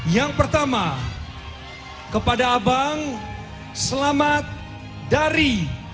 yang pertama kepada abang selamat dari